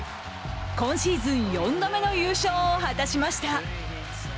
今シーズン４度目の優勝を果たしました。